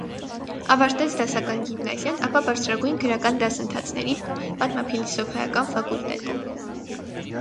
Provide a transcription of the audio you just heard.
Ավարտեց դասական գիմնազիան, ապա բարձրագույն գրական դասընթացների պատմափիլիսոփայական ֆակուլտետը։